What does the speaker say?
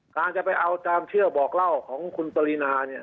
การจะไปเอาตามเชื่อบอกเล่าของคุณปรินาเนี่ย